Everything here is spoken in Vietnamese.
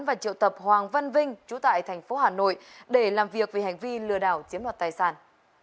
và triệu tập hoàng văn vinh chú tại thành phố hà nội để làm việc về hành vi lừa đảo chiếm đoạt tài sản